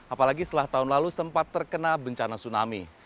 apalagi setelah tahun lalu sempat terkena bencana tsunami